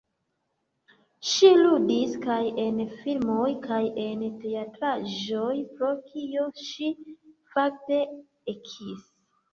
Ŝi ludis kaj en filmoj kaj en teatraĵoj, pro kio ŝi fakte ekis.